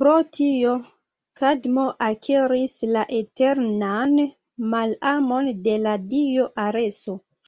Pro tio, Kadmo akiris la eternan malamon de la dio Areso.